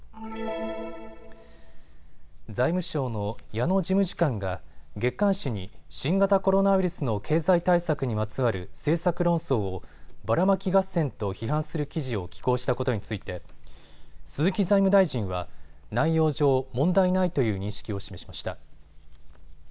財務省の矢野事務次官が月刊誌に新型コロナウイルスの経済対策にまつわる政策論争をバラマキ合戦と批判する記事を寄稿したことについて鈴木財務大臣は内容上、問題ないという認識を示しました。